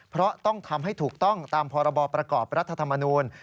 เพราะต้องทำให้ถูกต้องตามพรบประกอบรัฐธรรมนูล